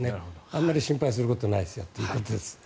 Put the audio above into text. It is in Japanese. あまり心配することはないですよということです。